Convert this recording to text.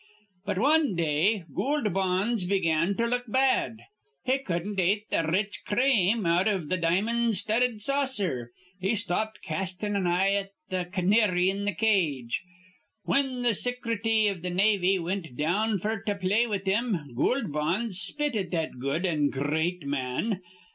"But wan day Goold Bonds begun to look bad. He cudden't ate th' r rich crame out iv th' di'mon' studded saucer. He stopped castin' an eye at th' c'nary in th' cage. Whin th' Sicrety iv th' Navy wint down f'r to play with him, Goold Bonds spit at that good an' gr reat man.